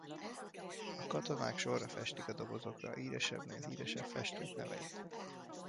A katonák sorra festik a dobozokra a híresebbnél híresebb festők neveit.